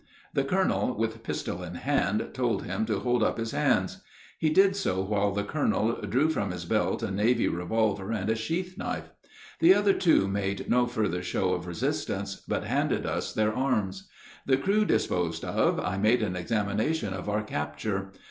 The colonel, with pistol in hand, told him to hold up his hands. He did so while the colonel drew from his belt a navy revolver and a sheath knife. The other two made no further show of resistance, but handed us their arms. The crew disposed of, I made an examination of our capture.